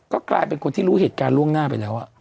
ก็กลายเป็นคนที่รู้เหตุการณ์ล่วงหน้าไปแล้ว